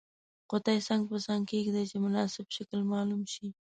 قطي څنګ په څنګ کیږدئ چې مناسب شکل معلوم شي.